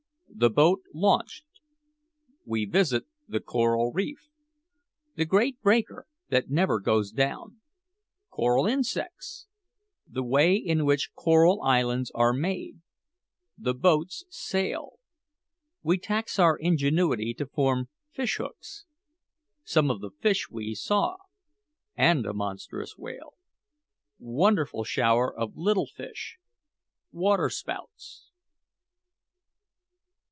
THE BOAT LAUNCHED WE VISIT THE CORAL REEF THE GREAT BREAKER THAT NEVER GOES DOWN CORAL INSECTS THE WAY IN WHICH CORAL ISLANDS ARE MADE THE BOATS SAIL WE TAX OUR INGENUITY TO FORM FISH HOOKS SOME OF THE FISH WE SAW AND A MONSTROUS WHALE WONDERFUL SHOWER OF LITTLE FISH WATERSPOUTS.